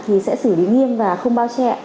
thì sẽ xử lý nghiêm và không bao trẻ